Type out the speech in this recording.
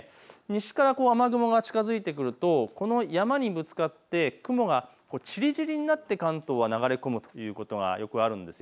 西から雨雲が近づいてくるとこの山にぶつかって雲がちりぢりになって関東は流れ込むということがよくあるんです。